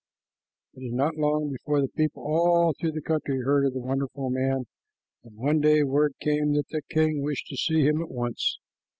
It was not long before the people all through the country heard of the wonderful man, and one day word came that the king wished to see him at once.